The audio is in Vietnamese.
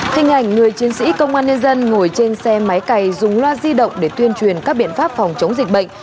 hình ảnh người chiến sĩ công an nhân dân ngồi trên xe máy cày dùng loa di động để tuyên truyền các biện pháp phòng chống dịch bệnh